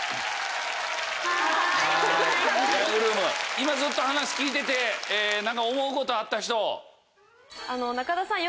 今ずっと話聞いてて何か思うことあった人？